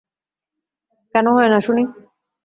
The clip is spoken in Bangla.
কেন হয় না শুনি?